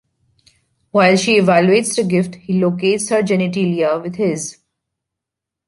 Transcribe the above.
While she evaluates the gift, he locates her genitalia with his.